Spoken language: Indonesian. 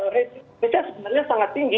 resistensinya sebenarnya sangat tinggi